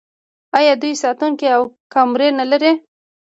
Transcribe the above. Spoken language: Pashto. آیا دوی ساتونکي او کمرې نلري؟